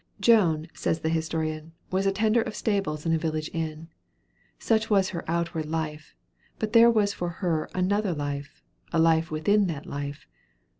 "Joan," says the historian, "was a tender of stables in a village inn." Such was her outward life; but there was for her another life, a life within that life.